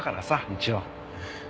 一応。